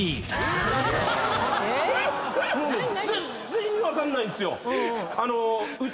全然意味分かんないんすよ。